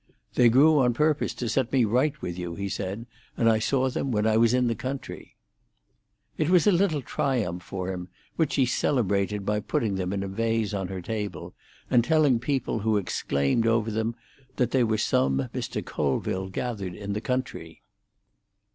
"They grew on purpose to set me right with you," he said, "and I saw them when I was in the country." It was a little triumph for him, which she celebrated by putting them in a vase on her table, and telling people who exclaimed over them that they were some Mr. Colville gathered in the country.